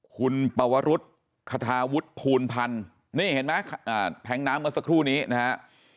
คุณปวรุษคทาวุทธ์คูณพันธุ์นี่เห็นไหมแท็งค์น้ำเมื่อสักครู่นี้นะครับ